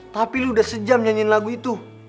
tapi lu udah sejam nyanyiin lagu itu